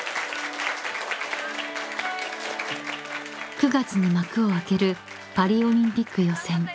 ［９月に幕を開けるパリオリンピック予選］